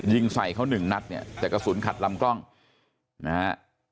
ยิงใส่เขาหนึ่งนัดเนี่ยแต่กระสุนขัดลำกล้องนะฮะ